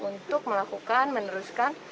untuk melakukan meneruskan